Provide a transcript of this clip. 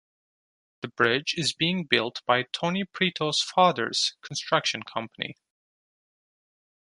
The bridge is being built by Tony Prito's father's construction company.